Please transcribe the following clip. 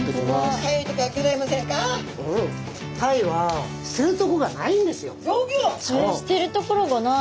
へえ捨てるところがない。